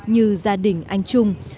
như gia đình anh trung